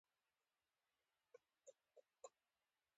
د افغانستان د اقتصادي پرمختګ لپاره پکار ده چې اخلاق ولرو.